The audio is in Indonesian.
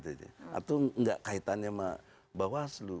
atau nggak kaitannya sama bawaslu